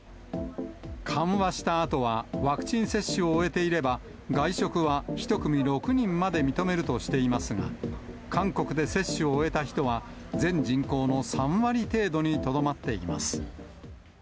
緩和したあとは、ワクチン接種を終えていれば外食は１組６人まで認めるとしていますが、韓国で接種を終えた人は全人口の３割程度にとどまっています。